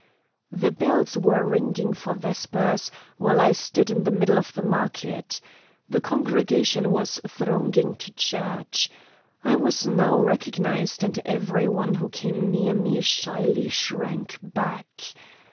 "The bells were ringing for vespers, while I stood in the middle of the market. The congregation was thronging to church. I was now recognised, and every one who came near me shyly shrank back.